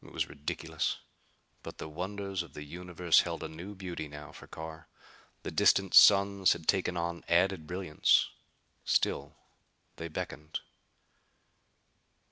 It was ridiculous! But the wonders of the universe held a new beauty now for Carr. The distant suns had taken on added brilliance. Still they beckoned.